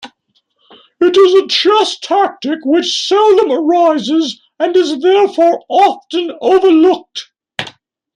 It is a chess tactic which seldom arises, and is therefore often overlooked.